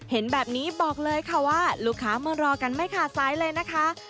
เห็นแบบนี้บอกเลยค่ะว่าลูกค้ามารอกันไม่ขาดสายเลยนะคะ